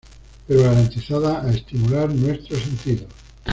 Pero garantizada a estimular nuestros sentidos".